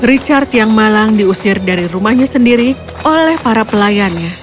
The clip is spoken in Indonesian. richard yang malang diusir dari rumahnya sendiri oleh para pelayannya